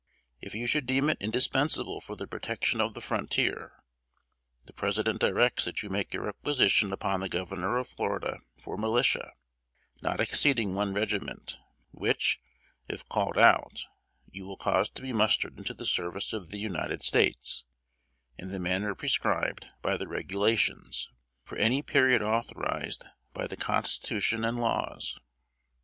"If you should deem it indispensable for the protection of the frontier, the President directs that you make a requisition upon the Governor of Florida for militia, not exceeding one regiment, which, if called out, you will cause to be mustered into the service of the United States, in the manner prescribed by the regulations, for any period authorized by the constitution and laws.